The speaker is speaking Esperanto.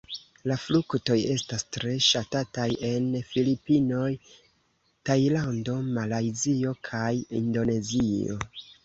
La fruktoj estas tre ŝatataj en Filipinoj, Tajlando, Malajzio kaj Indonezio.